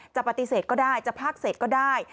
จะปฏิเสธก็ได้จะพากเศษก็ได้